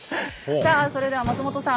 さあそれでは松本さん